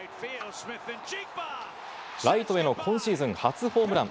ライトへの今シーズン初ホームラン。